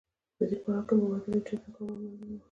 په دې پړاو کې مبادلې ډېر تکامل موندلی وو